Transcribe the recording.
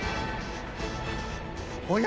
おや？